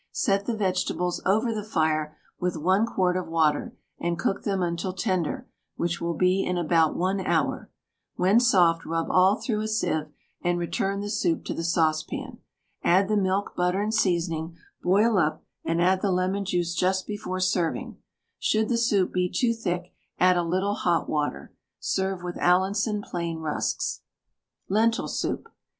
Set the vegetables over the fire with 1 quart of water, and cook them until tender, which will be in about 1 hour. When soft rub all through a sieve and return the soup to the saucepan. Add the milk, butter, and seasoning, boil up, and add the lemon juice just before serving. Should the soup be too thick add a little hot water. Serve with Allinson plain rusks. LENTIL SOUP.